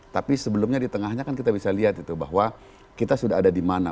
tapi sebelumnya di tengahnya kan kita bisa lihat itu bahwa kita sudah ada di mana